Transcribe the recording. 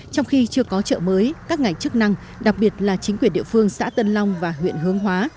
trong khi chưa có chợ mới các ngành chức năng đặc biệt là chính quyền địa phương xã tân long và huyện hướng hóa